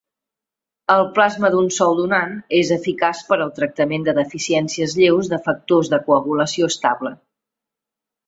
El plasma d'un sol donant és eficaç per al tractament de deficiències lleus de factors de coagulació estable.